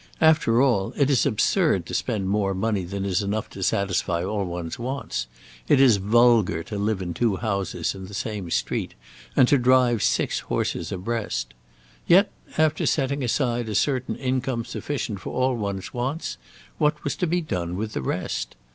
After all, it is absurd to spend more money than is enough to satisfy all one's wants; it is vulgar to live in two houses in the same street, and to drive six horses abreast. Yet, after setting aside a certain income sufficient for all one's wants, what was to be done with the rest?